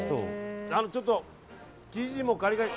ちょっと生地もカリカリ。